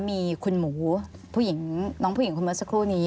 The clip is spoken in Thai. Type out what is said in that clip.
มีคุณหมูเนาะของผู้หญิงคุณมาสักครู่นี้